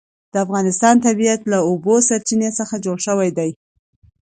د افغانستان طبیعت له د اوبو سرچینې څخه جوړ شوی دی.